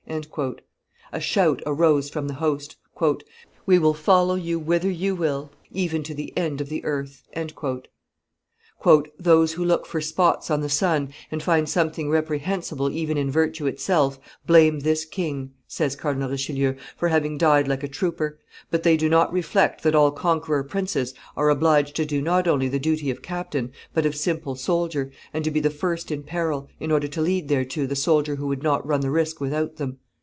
A shout arose from the host, "We will follow you whither you will, even to the end of the earth." "Those who look for spots on the sun, and find something reprehensible even in virtue itself, blame this king," says Cardinal Richelieu, "for having died like a trooper; but they do not reflect that all conqueror princes are obliged to do not only the duty of captain, but of simple soldier, and to be the first in peril, in order to lead thereto the soldier who would not run the risk without them.